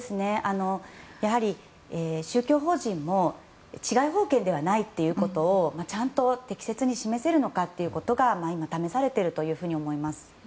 やはり、宗教法人も治外法権ではないということをちゃんと適切に示せるのかということが今、試されていると思います。